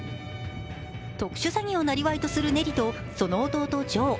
特殊詐欺をなりわいとするネリとその弟、ジョー。